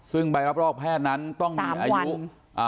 ซึ่งใบรับรองแพทย์นั้นต้องมีอายุ